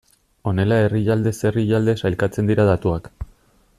Honela herrialdez herrialde sailkatzen dira datuak.